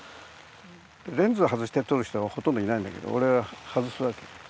レンズを外して撮る人はほとんどいないんだけど俺は外すわけ。